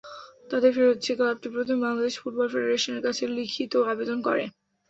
তাঁদের ফেরত চেয়ে ক্লাবটি প্রথমে বাংলাদেশ ফুটবল ফেডারেশনের কাছে লিখিত আবেদন করে।